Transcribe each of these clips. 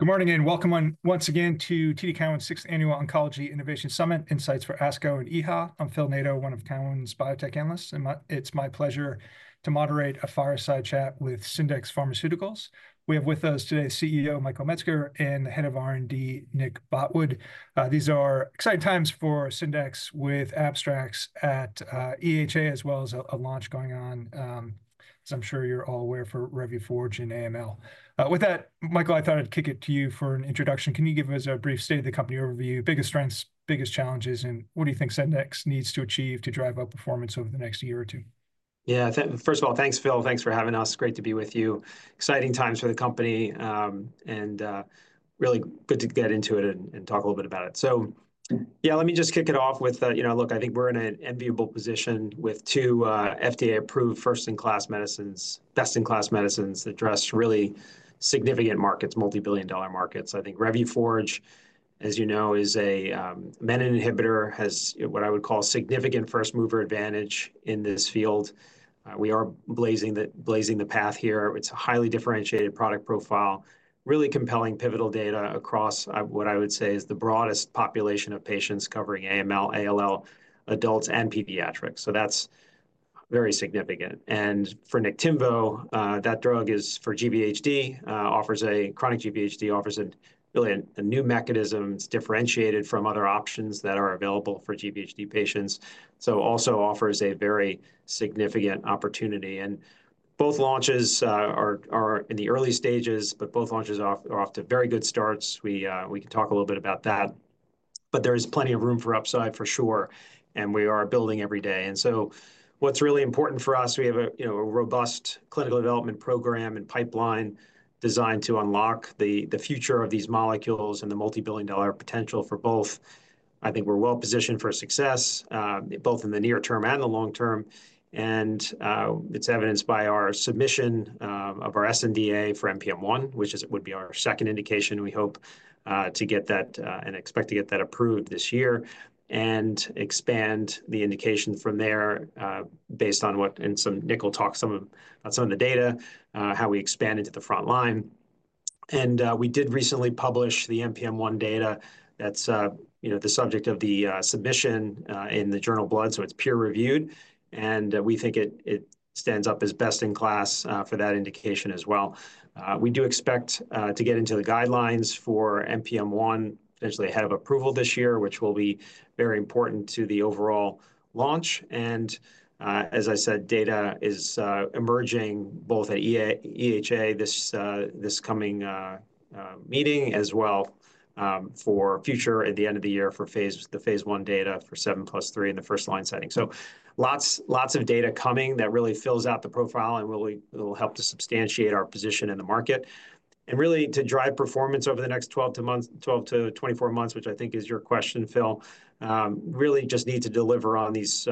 Good morning and welcome once again to TD Cowen's 6th Annual Oncology Innovation Summit, Insights for ASCO and EHA. I'm Phil Nadeau, one of Cowen's biotech analysts, and it's my pleasure to moderate a fireside chat with Syndax Pharmaceuticals. We have with us today CEO Michael Metzger and the Head of R&D, Nick Botwood. These are exciting times for Syndax with abstracts at EHA, as well as a launch going on, as I'm sure you're all aware, for Revuforj and AML. With that, Michael, I thought I'd kick it to you for an introduction. Can you give us a brief state of the company overview, biggest strengths, biggest challenges, and what do you think Syndax needs to achieve to drive up performance over the next year or two? Yeah, first of all, thanks, Phil. Thanks for having us. Great to be with you. Exciting times for the company and really good to get into it and talk a little bit about it. Yeah, let me just kick it off with, you know, look, I think we're in an enviable position with two FDA-approved first-in-class medicines, best-in-class medicines that address really significant markets, multi-billion dollar markets. I think Revuforj, as you know, is a menin inhibitor, has what I would call significant first-mover advantage in this field. We are blazing the path here. It's a highly differentiated product profile, really compelling pivotal data across what I would say is the broadest population of patients covering AML, ALL, adults, and pediatrics. That's very significant. For Niktimvo, that drug is for cGVHD, offers a chronic GVHD, offers a really new mechanism. is differentiated from other options that are available for cGVHD patients. It also offers a very significant opportunity. Both launches are in the early stages, but both launches are off to very good starts. We can talk a little bit about that. There is plenty of room for upside for sure. We are building every day. What is really important for us, we have a robust clinical development program and pipeline designed to unlock the future of these molecules and the multi-billion dollar potential for both. I think we are well positioned for success, both in the near term and the long term. It is evidenced by our submission of our sNDA for NPM1, which would be our second indication. We hope to get that and expect to get that approved this year and expand the indication from there based on what, in some NPM1 talk, some of the data, how we expand into the front line. We did recently publish the NPM1 data. That's the subject of the submission in the journal Blood, so it's peer-reviewed. We think it stands up as best in class for that indication as well. We do expect to get into the guidelines for NPM1, potentially ahead of approval this year, which will be very important to the overall launch. Data is emerging both at EHA this coming meeting as well for future at the end of the year for the phase I data for 7+3 in the first line setting. Lots of data coming that really fills out the profile and will help to substantiate our position in the market. Really to drive performance over the next 12 to 24 months, which I think is your question, Phil, really just need to deliver on these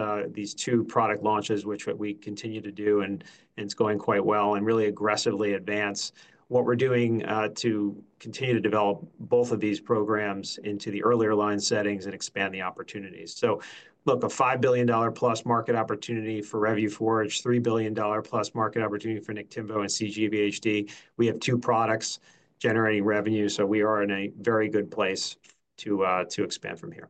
two product launches, which we continue to do and it is going quite well and really aggressively advance what we are doing to continue to develop both of these programs into the earlier line settings and expand the opportunities. Look, a $5 billion-plus market opportunity for Revuforj, $3 billion-plus market opportunity for Niktimvo in cGVHD. We have two products generating revenue, so we are in a very good place to expand from here.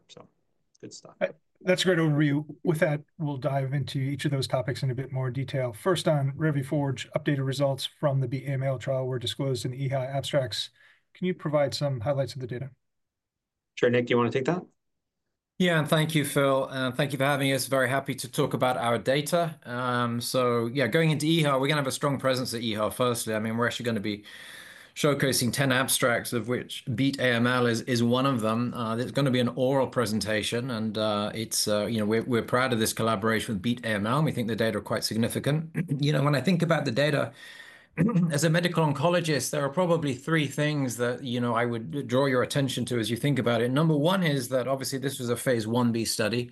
Good stuff. That's a great overview. With that, we'll dive into each of those topics in a bit more detail. First on Revuforj, updated results from the AML trial were disclosed in EHA Abstracts. Can you provide some highlights of the data? Sure, Nick, do you want to take that? Yeah, thank you, Phil. Thank you for having us. Very happy to talk about our data. Yeah, going into EHA, we're going to have a strong presence at EHA firstly. I mean, we're actually going to be showcasing 10 abstracts, of which BEAT AML is one of them. There's going to be an oral presentation and we're proud of this collaboration with BEAT AML and we think the data are quite significant. You know, when I think about the data, as a medical oncologist, there are probably three things that I would draw your attention to as you think about it. Number one is that obviously this was a phase I-B study.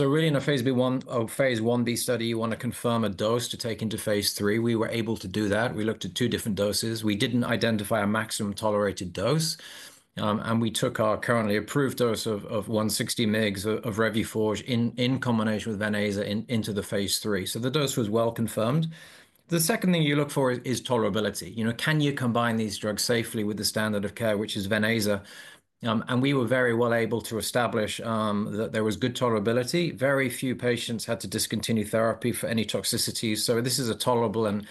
Really in a phase I-B or phase I-B study, you want to confirm a dose to take into phase III. We were able to do that. We looked at two different doses. We did not identify a maximum tolerated dose. We took our currently approved dose of 160 mg of Revuforj in combination with Venclexta into the phase III. The dose was well confirmed. The second thing you look for is tolerability. You know, can you combine these drugs safely with the standard of care, which is Venclexta? We were very well able to establish that there was good tolerability. Very few patients had to discontinue therapy for any toxicity. This is a tolerable and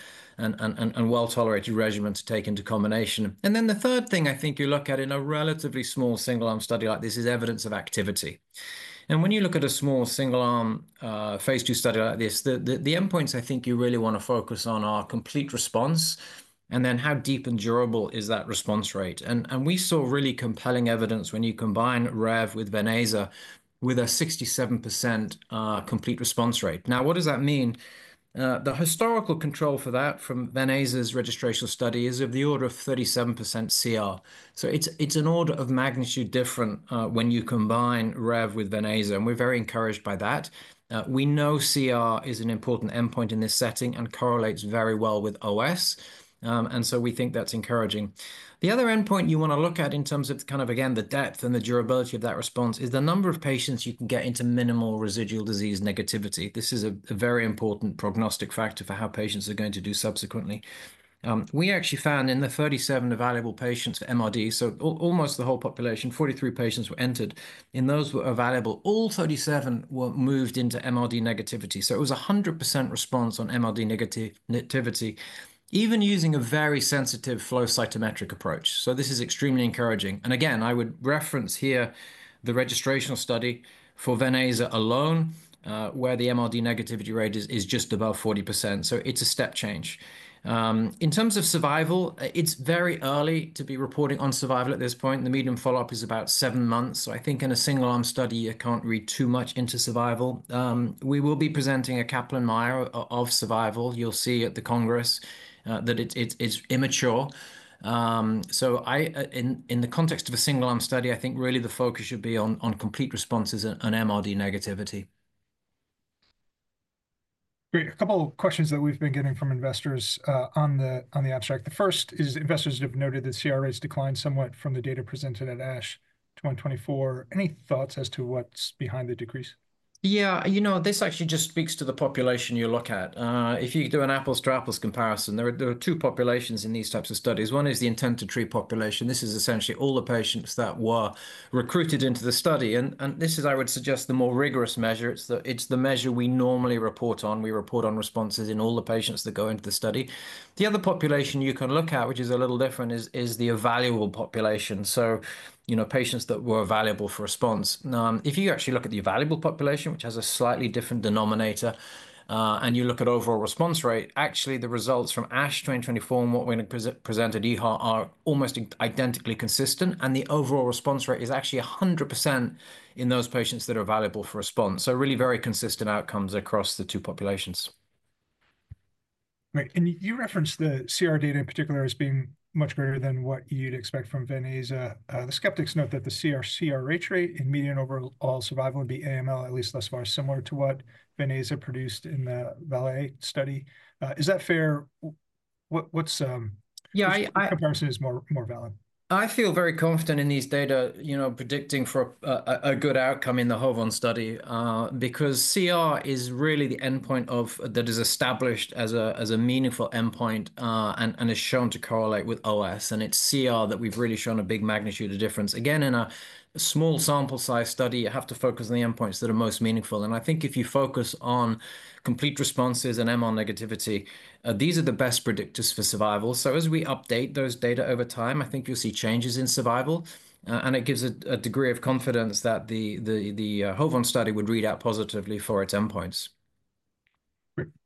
well tolerated regimen to take into combination. The third thing I think you look at in a relatively small single-arm study like this is evidence of activity. When you look at a small single-arm phase II study like this, the end points I think you really want to focus on are complete response and then how deep and durable is that response rate. We saw really compelling evidence when you combine Revuforj with Venclexta with a 67% complete response rate. Now, what does that mean? The historical control for that from Venclexta's registration study is of the order of 37% CR. It is an order of magnitude different when you combine Revuforj with Venclexta. We are very encouraged by that. We know CR is an important endpoint in this setting and correlates very well with OS. We think that is encouraging. The other endpoint you want to look at in terms of kind of, again, the depth and the durability of that response is the number of patients you can get into minimal residual disease negativity. This is a very important prognostic factor for how patients are going to do subsequently. We actually found in the 37 available patients for MRD, so almost the whole population, 43 patients were entered. In those available, all 37 were moved into MRD negativity. It was a 100% response on MRD negativity, even using a very sensitive flow cytometric approach. This is extremely encouraging. I would reference here the registration study for Venclexta alone, where the MRD negativity rate is just above 40%. It's a step change. In terms of survival, it's very early to be reporting on survival at this point. The median follow-up is about seven months. I think in a single-arm study, you can't read too much into survival. We will be presenting a Kaplan-Meier of survival. You'll see at the Congress that it's immature. In the context of a single-arm study, I think really the focus should be on complete responses and MRD negativity. Great. A couple of questions that we've been getting from investors on the abstract. The first is investors that have noted that CR rates declined somewhat from the data presented at ASH 2024. Any thoughts as to what's behind the decrease? Yeah, you know, this actually just speaks to the population you look at. If you do an apples-to-apples comparison, there are two populations in these types of studies. One is the intent-to-treat population. This is essentially all the patients that were recruited into the study. And this is, I would suggest, the more rigorous measure. It's the measure we normally report on. We report on responses in all the patients that go into the study. The other population you can look at, which is a little different, is the evaluable population. So patients that were evaluable for response. If you actually look at the evaluable population, which has a slightly different denominator, and you look at overall response rate, actually the results from ASH 2024 and what we present at EHA are almost identically consistent. The overall response rate is actually 100% in those patients that are evaluable for response. So really very consistent outcomes across the two populations. Great. You referenced the CR data in particular as being much greater than what you'd expect from Venclexta. The skeptics note that the CR rate and median overall survival with AML, at least thus far, are similar to what Venclexta produced in the VALOR study. Is that fair? Which comparison is more valid? I feel very confident in these data, predicting for a good outcome in the HOVON study, because CR is really the endpoint that is established as a meaningful endpoint and is shown to correlate with OS. It is CR that we've really shown a big magnitude of difference. Again, in a small sample size study, you have to focus on the endpoints that are most meaningful. I think if you focus on complete responses and MRD negativity, these are the best predictors for survival. As we update those data over time, I think you'll see changes in survival. It gives a degree of confidence that the HOVON study would read out positively for its endpoints.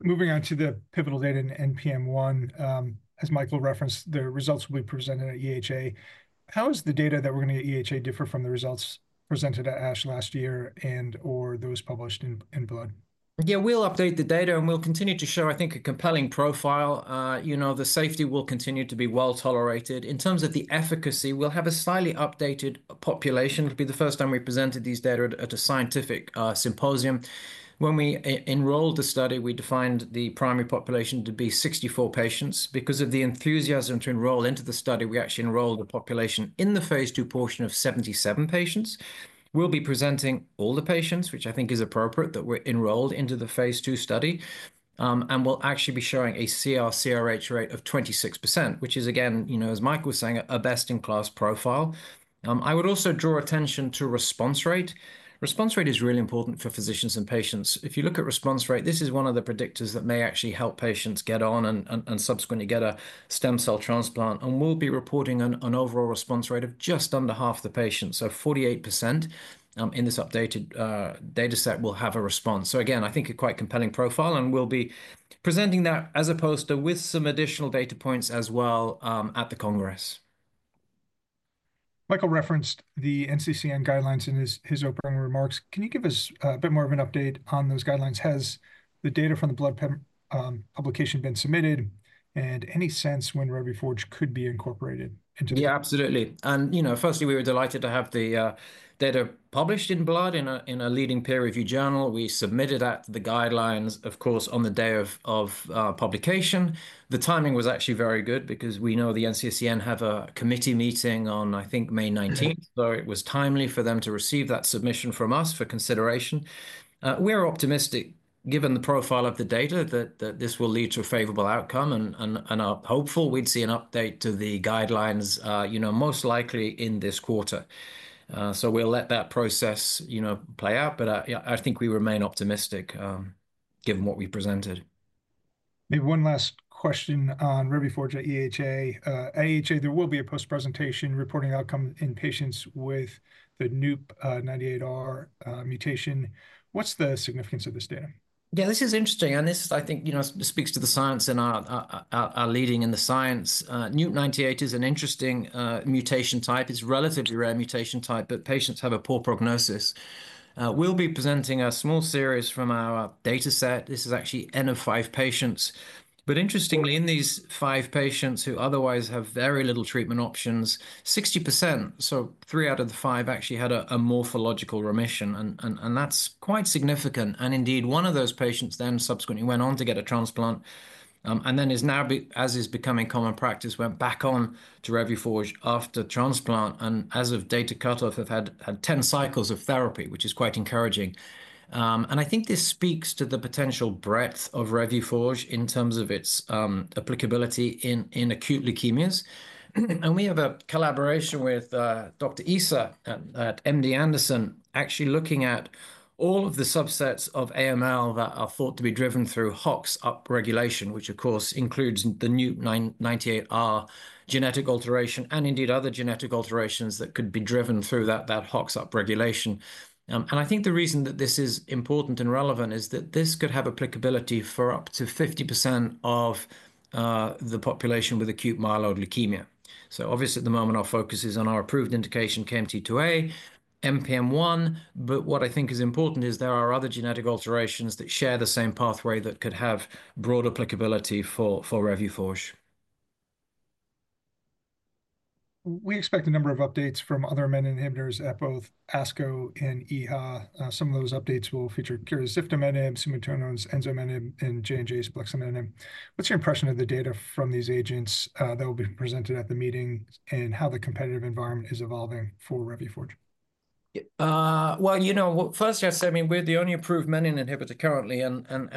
Moving on to the pivotal data in NPM1, as Michael referenced, the results will be presented at EHA. How is the data that we're going to get at EHA different from the results presented at ASH last year and/or those published in Blood? Yeah, we'll update the data and we'll continue to show, I think, a compelling profile. The safety will continue to be well tolerated. In terms of the efficacy, we'll have a slightly updated population. It'll be the first time we presented these data at a scientific symposium. When we enrolled the study, we defined the primary population to be 64 patients. Because of the enthusiasm to enroll into the study, we actually enrolled the population in the phase II portion of 77 patients. We'll be presenting all the patients, which I think is appropriate, that were enrolled into the phase II study. We'll actually be showing a CR CRh rate of 26%, which is, again, as Michael was saying, a best-in-class profile. I would also draw attention to response rate. Response rate is really important for physicians and patients. If you look at response rate, this is one of the predictors that may actually help patients get on and subsequently get a stem cell transplant. We'll be reporting an overall response rate of just under half the patients. 48% in this updated data set will have a response. I think a quite compelling profile. We'll be presenting that as opposed to with some additional data points as well at the Congress. Michael referenced the NCCN guidelines in his opening remarks. Can you give us a bit more of an update on those guidelines? Has the data from the Blood publication been submitted? Any sense when Revuforj could be incorporated into the? Yeah, absolutely. Firstly, we were delighted to have the data published in Blood in a leading peer-reviewed journal. We submitted that to the guidelines, of course, on the day of publication. The timing was actually very good because we know the NCCN have a committee meeting on, I think, May 19. It was timely for them to receive that submission from us for consideration. We're optimistic given the profile of the data that this will lead to a favorable outcome. I'm hopeful we'd see an update to the guidelines most likely in this quarter. We'll let that process play out. I think we remain optimistic given what we presented. Maybe one last question on Revuforj at EHA. At EHA, there will be a post-presentation reporting outcome in patients with the NUP98::NSD1 mutation. What's the significance of this data? Yeah, this is interesting. This, I think, speaks to the science and our leading in the science. NUP98 is an interesting mutation type. It's a relatively rare mutation type, but patients have a poor prognosis. We'll be presenting a small series from our data set. This is actually N of five patients. Interestingly, in these five patients who otherwise have very little treatment options, 60%, so three out of the five, actually had a morphological remission. That's quite significant. Indeed, one of those patients then subsequently went on to get a transplant. As is becoming common practice, went back on to Revuforj after transplant. As of data cutoff, have had 10 cycles of therapy, which is quite encouraging. I think this speaks to the potential breadth of Revuforj in terms of its applicability in acute leukemias. We have a collaboration with Dr. Issa at MD Anderson, actually looking at all of the subsets of AML that are thought to be driven through Hox upregulation, which of course includes the NUP98::NSD1 genetic alteration and indeed other genetic alterations that could be driven through that Hox upregulation. I think the reason that this is important and relevant is that this could have applicability for up to 50% of the population with acute myeloid leukemia. Obviously at the moment, our focus is on our approved indication KMT2A, NPM1. What I think is important is there are other genetic alterations that share the same pathway that could have broad applicability for Revuforj. We expect a number of updates from other menin inhibitors at both ASCO and EHA. Some of those updates will feature Kura's ziftomenib, Sumitomo's enzomenib, and J&J's bleximenib. What's your impression of the data from these agents that will be presented at the meeting and how the competitive environment is evolving for Revuforj? You know, first, I mean, we're the only approved menin inhibitor currently.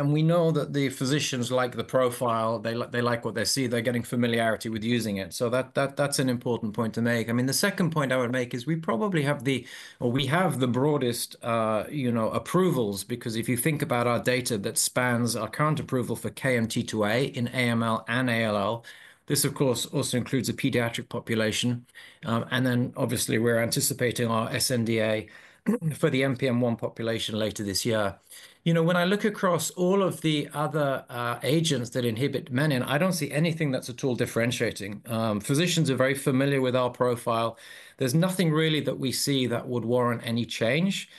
We know that the physicians like the profile. They like what they see. They're getting familiarity with using it. That's an important point to make. The second point I would make is we probably have the, or we have the broadest approvals because if you think about our data that spans our current approval for KMT2A in AML and ALL. This, of course, also includes the pediatric population. Obviously, we're anticipating our sNDA for the NPM1 population later this year. You know, when I look across all of the other agents that inhibit menin, I don't see anything that's at all differentiating. Physicians are very familiar with our profile. There's nothing really that we see that would warrant any change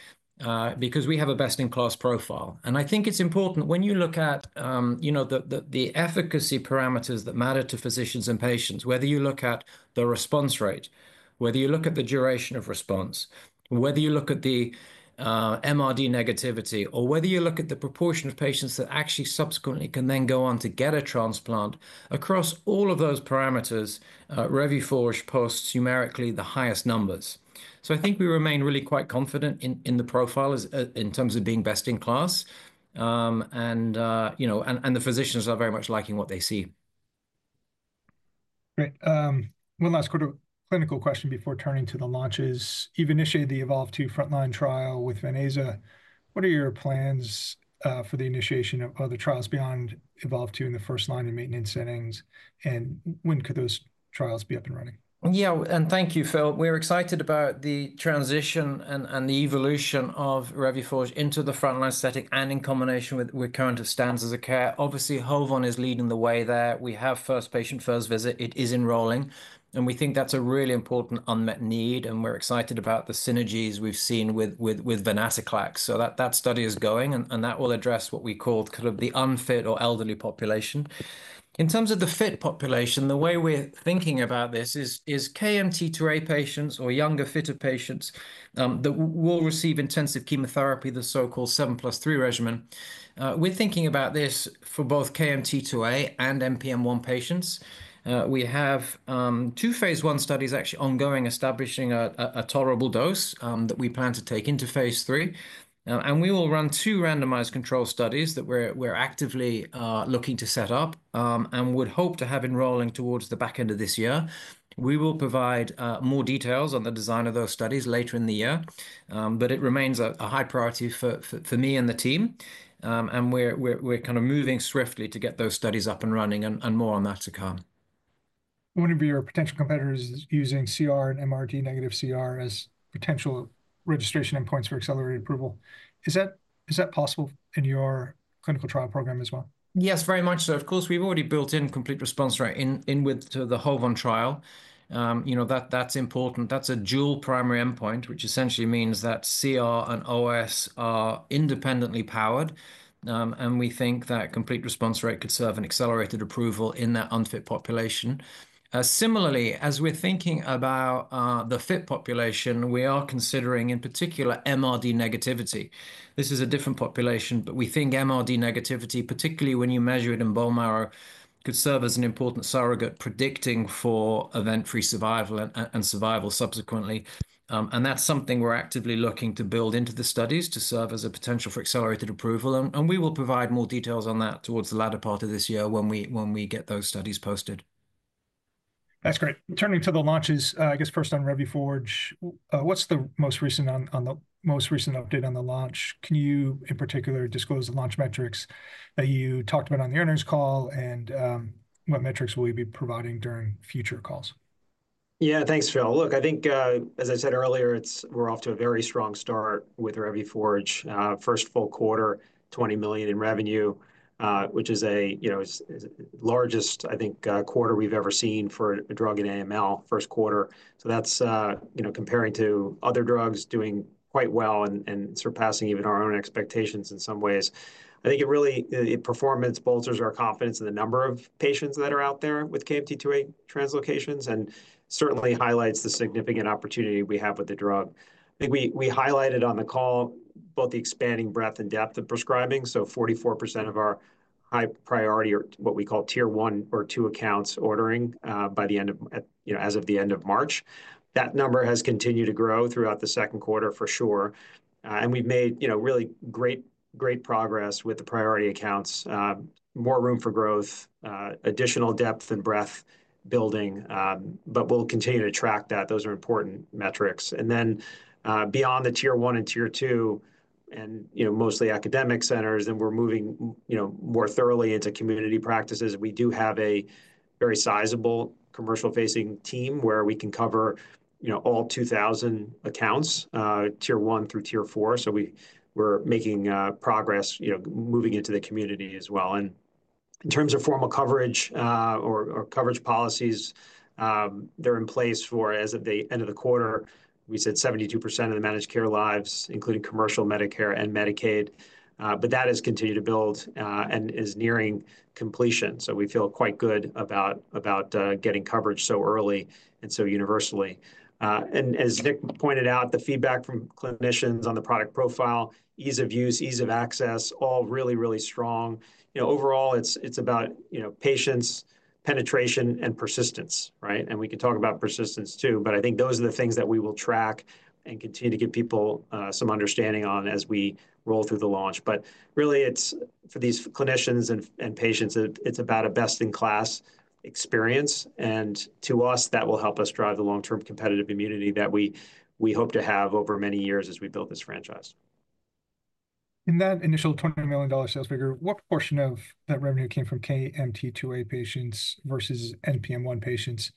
because we have a best-in-class profile. I think it's important when you look at the efficacy parameters that matter to physicians and patients, whether you look at the response rate, whether you look at the duration of response, whether you look at the MRD negativity, or whether you look at the proportion of patients that actually subsequently can then go on to get a transplant, across all of those parameters, Revuforj posts numerically the highest numbers. I think we remain really quite confident in the profile in terms of being best in class. The physicians are very much liking what they see. Great. One last quick clinical question before turning to the launches. You've initiated the Evolve 2 frontline trial with Venclexta. What are your plans for the initiation of other trials beyond Evolve 2 in the first line and maintenance settings? When could those trials be up and running? Yeah, and thank you, Phil. We're excited about the transition and the evolution of Revuforj into the frontline setting and in combination with current standards of care. Obviously, HOVON is leading the way there. We have first patient, first visit. It is enrolling. We think that's a really important unmet need. We're excited about the synergies we've seen with Venclexta. That study is going. That will address what we called kind of the unfit or elderly population. In terms of the fit population, the way we're thinking about this is KMT2A patients or younger, fitter patients that will receive intensive chemotherapy, the so-called 7+3 regimen. We're thinking about this for both KMT2A and NPM1 patients. We have two phase I studies actually ongoing, establishing a tolerable dose that we plan to take into phase III. We will run two randomized control studies that we're actively looking to set up and would hope to have enrolling towards the back end of this year. We will provide more details on the design of those studies later in the year. It remains a high priority for me and the team. We are kind of moving swiftly to get those studies up and running and more on that to come. One of your potential competitors is using CR and MRD negative CR as potential registration endpoints for accelerated approval. Is that possible in your clinical trial program as well? Yes, very much so. Of course, we've already built in complete response rate in with the HOVON trial. That's important. That's a dual primary endpoint, which essentially means that CR and OS are independently powered. We think that complete response rate could serve an accelerated approval in that unfit population. Similarly, as we're thinking about the fit population, we are considering in particular MRD negativity. This is a different population, but we think MRD negativity, particularly when you measure it in bone marrow, could serve as an important surrogate predicting for event-free survival and survival subsequently. That's something we're actively looking to build into the studies to serve as a potential for accelerated approval. We will provide more details on that towards the latter part of this year when we get those studies posted. That's great. Turning to the launches, I guess first on Revuforj, what's the most recent update on the launch? Can you in particular disclose the launch metrics that you talked about on the earnings call and what metrics will you be providing during future calls? Yeah, thanks, Phil. Look, I think, as I said earlier, we're off to a very strong start with Revuforj. First full quarter, $20 million in revenue, which is the largest, I think, quarter we've ever seen for a drug in AML, first quarter. That's comparing to other drugs doing quite well and surpassing even our own expectations in some ways. I think it really performance bolsters our confidence in the number of patients that are out there with KMT2A translocations and certainly highlights the significant opportunity we have with the drug. I think we highlighted on the call both the expanding breadth and depth of prescribing. So 44% of our high priority or what we call tier one or two accounts ordering by the end of as of the end of March. That number has continued to grow throughout the second quarter for sure. We have made really great progress with the priority accounts. More room for growth, additional depth and breadth building. We will continue to track that. Those are important metrics. Beyond the tier one and tier two and mostly academic centers, we are moving more thoroughly into community practices. We do have a very sizable commercial-facing team where we can cover all 2,000 accounts, tier one through tier four. We are making progress moving into the community as well. In terms of formal coverage or coverage policies, they are in place for as of the end of the quarter, we said 72% of the managed care lives, including commercial Medicare and Medicaid. That has continued to build and is nearing completion. We feel quite good about getting coverage so early and so universally. As Nick pointed out, the feedback from clinicians on the product profile, ease of use, ease of access, all really, really strong. Overall, it's about patients, penetration, and persistence, right? We can talk about persistence too. I think those are the things that we will track and continue to give people some understanding on as we roll through the launch. Really, for these clinicians and patients, it's about a best-in-class experience. To us, that will help us drive the long-term competitive immunity that we hope to have over many years as we build this franchise. In that initial $20 million sales figure, what portion of that revenue came from KMT2A patients versus NPM1 patients?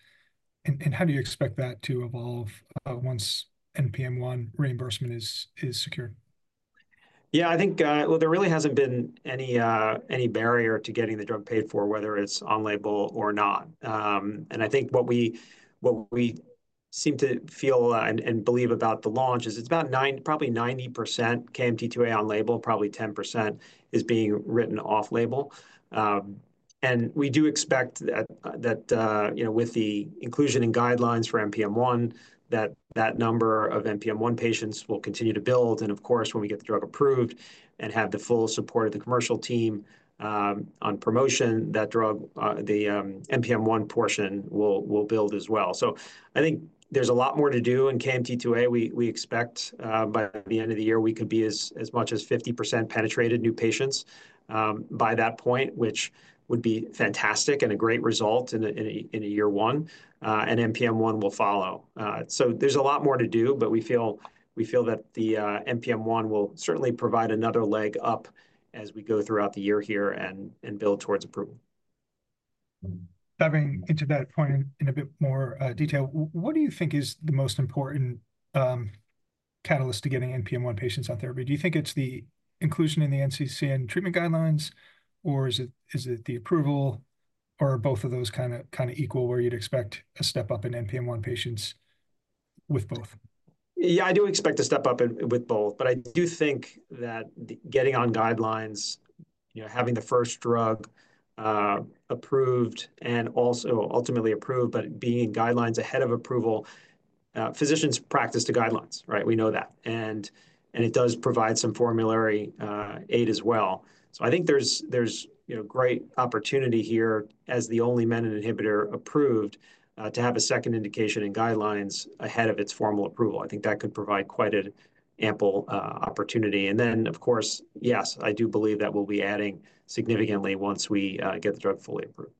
How do you expect that to evolve once NPM1 reimbursement is secured? Yeah, I think, there really hasn't been any barrier to getting the drug paid for, whether it's on label or not. I think what we seem to feel and believe about the launch is it's about probably 90% KMT2A on label, probably 10% is being written off label. We do expect that with the inclusion in guidelines for NPM1, that number of NPM1 patients will continue to build. Of course, when we get the drug approved and have the full support of the commercial team on promotion, that drug, the NPM1 portion will build as well. I think there's a lot more to do in KMT2A. We expect by the end of the year, we could be as much as 50% penetrated new patients by that point, which would be fantastic and a great result in a year one. NPM1 will follow. There's a lot more to do, but we feel that the NPM1 will certainly provide another leg up as we go throughout the year here and build towards approval. Diving into that point in a bit more detail, what do you think is the most important catalyst to getting NPM1 patients on therapy? Do you think it's the inclusion in the NCCN treatment guidelines, or is it the approval, or are both of those kind of equal where you'd expect a step up in NPM1 patients with both? Yeah, I do expect a step up with both. I do think that getting on guidelines, having the first drug approved and also ultimately approved, but being in guidelines ahead of approval, physicians practice to guidelines, right? We know that. It does provide some formulary aid as well. I think there's great opportunity here as the only menin inhibitor approved to have a second indication in guidelines ahead of its formal approval. I think that could provide quite an ample opportunity. Of course, yes, I do believe that we'll be adding significantly once we get the drug fully approved.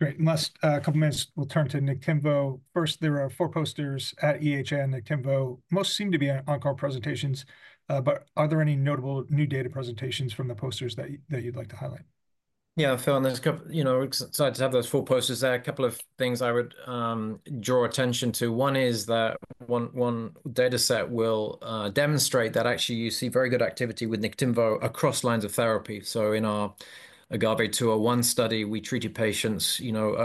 Great. Last couple of minutes, we'll turn to Niktimvo. First, there are four posters at EHA. Niktimvo, most seem to be on-call presentations. Are there any notable new data presentations from the posters that you'd like to highlight? Yeah, Phil, we're excited to have those four posters there. A couple of things I would draw attention to. One is that one dataset will demonstrate that actually you see very good activity with Niktimvo across lines of therapy. In our AGAVE-201 study, we treated patients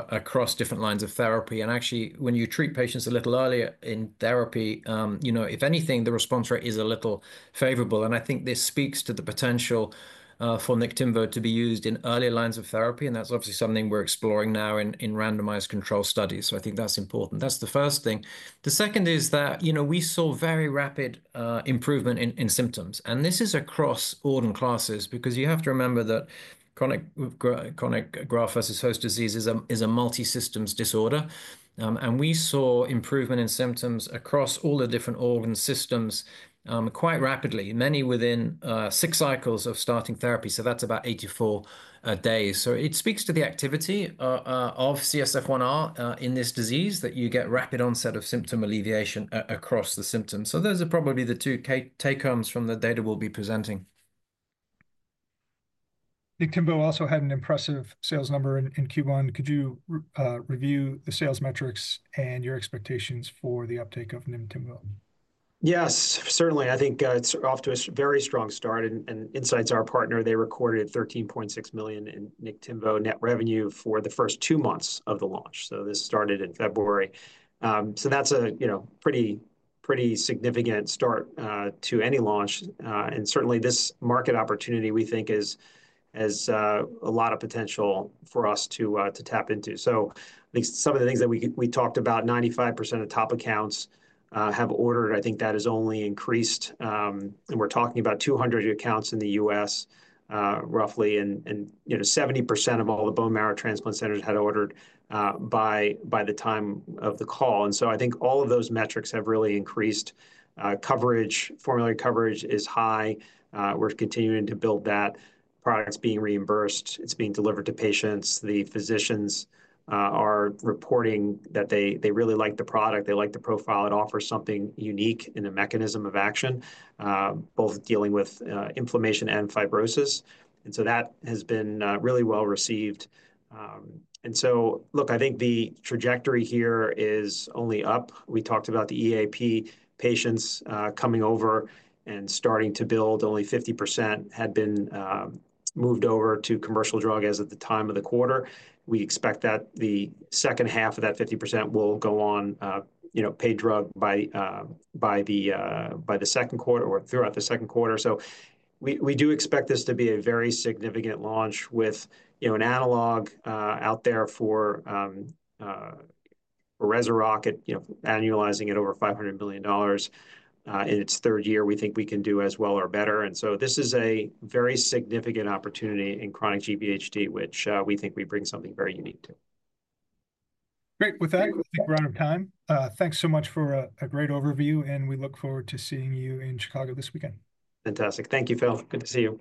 across different lines of therapy. Actually, when you treat patients a little earlier in therapy, if anything, the response rate is a little favorable. I think this speaks to the potential for Niktimvo to be used in earlier lines of therapy. That's obviously something we're exploring now in randomized control studies. I think that's important. That's the first thing. The second is that we saw very rapid improvement in symptoms. This is across organ classes because you have to remember that chronic graft-versus-host disease is a multi-systems disorder. We saw improvement in symptoms across all the different organ systems quite rapidly, many within six cycles of starting therapy. That is about 84 days. It speaks to the activity of CSF-1R in this disease that you get rapid onset of symptom alleviation across the symptoms. Those are probably the two take homes from the data we will be presenting. Niktimvo also had an impressive sales number in Q1. Could you review the sales metrics and your expectations for the uptake of Niktimvo? Yes, certainly. I think it's off to a very strong start. Incyte, our partner, they recorded $13.6 million in Niktimvo net revenue for the first two months of the launch. This started in February. That's a pretty significant start to any launch. This market opportunity, we think, has a lot of potential for us to tap into. I think some of the things that we talked about, 95% of top accounts have ordered. I think that has only increased. We're talking about 200 accounts in the U.S., roughly. 70% of all the bone marrow transplant centers had ordered by the time of the call. I think all of those metrics have really increased. Formulary coverage is high. We're continuing to build that. Product's being reimbursed. It's being delivered to patients. The physicians are reporting that they really like the product. They like the profile. It offers something unique in the mechanism of action, both dealing with inflammation and fibrosis. That has been really well received. Look, I think the trajectory here is only up. We talked about the EAP patients coming over and starting to build. Only 50% had been moved over to commercial drug as at the time of the quarter. We expect that the second half of that 50% will go on paid drug by the second quarter or throughout the second quarter. We do expect this to be a very significant launch with an analog out there for Rezurock, annualizing it over $500 million in its third year. We think we can do as well or better. This is a very significant opportunity in chronic GVHD, which we think we bring something very unique to. Great. With that, we'll take a run of time. Thanks so much for a great overview. We look forward to seeing you in Chicago this weekend. Fantastic. Thank you, Phil. Good to see you.